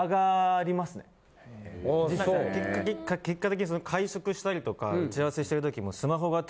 実際に結果的に会食したりとか打ち合わせしてる時も。